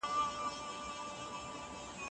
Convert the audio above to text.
ایا ته غواړې چي خپلواک څېړونکی سې؟